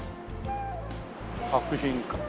博品館。